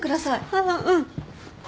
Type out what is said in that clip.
あっうん。